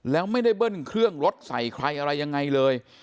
แล้วไม่ได้เบิ้ลเครื่องรถใส่ใครอะไรยังไงเลย